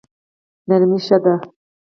نرمي ښه دی.